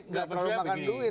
nggak perlu makan duit